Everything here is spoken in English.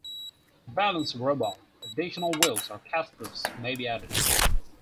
To balance the robot, additional wheels or casters may be added.